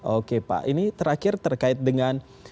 oke pak ini terakhir terkait dengan